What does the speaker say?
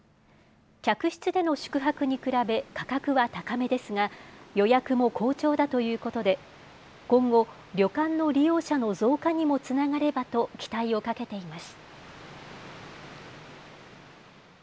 客室での宿泊に比べ、価格は高めですが、予約も好調だということで、今後、旅館の利用者の増加にもつながればと、期待をかけています。